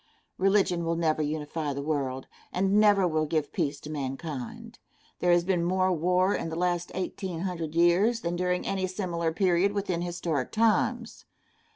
Religion will never unify the world, and never will give peace to mankind. There has been more war in the last eighteen hundred years than during any similar period within historic times.